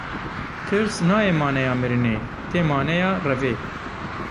Tirs nayê maneya mirinê, tê maneya revê.